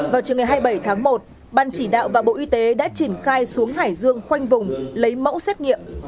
vào trường ngày hai mươi bảy tháng một ban chỉ đạo và bộ y tế đã triển khai xuống hải dương khoanh vùng lấy mẫu xét nghiệm